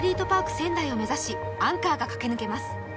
仙台を目指しアンカーが駆け抜けます。